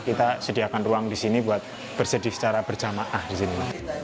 kita sediakan ruang di sini buat bersedih secara berjamaah di sini